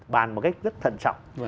bàn một cách rất thận trọng